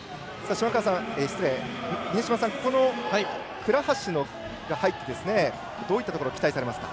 倉橋が入ってどういったところが期待されますか。